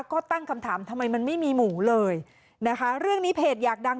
ก็ตั้งคำถามทำไมมันไม่มีหมูเลยนะคะเรื่องนี้เพจอยากดัง